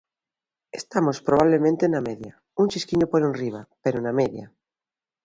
Estamos probablemente na media; un chisquiño por enriba, pero na media.